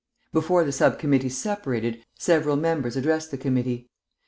"Before the sub committees separated, several members addressed the committee.